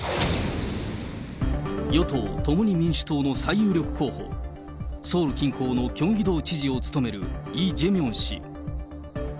与党・共に民主党の最有力候補、ソウル近郊のキョンギ道知事を務めるイ・ジェミョン氏。